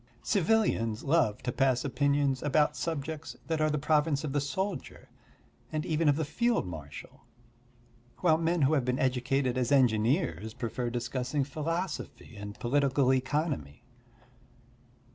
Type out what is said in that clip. Civilians love to pass opinions about subjects that are the province of the soldier and even of the field marshal; while men who have been educated as engineers prefer discussing philosophy and political economy.